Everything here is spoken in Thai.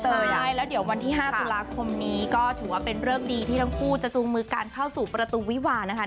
ใช่แล้วเดี๋ยววันที่๕ตุลาคมนี้ก็ถือว่าเป็นเริกดีที่ทั้งคู่จะจูงมือกันเข้าสู่ประตูวิวานะคะ